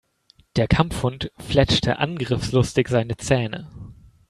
Der Kampfhund fletschte angriffslustig seine Zähne.